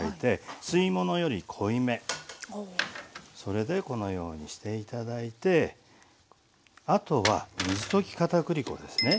それでこのようにして頂いてあとは水溶きかたくり粉ですね